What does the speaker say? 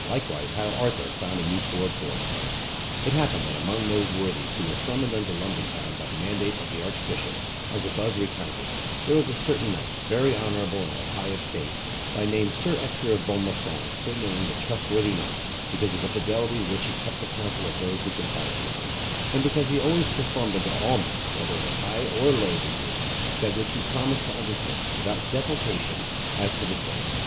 Likewise, How Arthur Found a New Sword For Him. IT happened that among those worthies who were summoned unto London Town by the mandate of the Archbishop as above recounted, there was a certain knight, very honorable and of high estate, by name Sir Ector of Bonmaison surnamed the Trustworthy Knight, because of the fidelity with which he kept the counsel of those who confided in him, and because he always performed unto all men, whether of high or low degree, that which he promised to undertake, without defalcation as to the same.